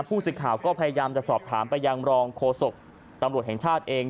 ผู้สื่อข่าวก็พยายามจะสอบถามไปยังรองโฆษกตำรวจแห่งชาติเอง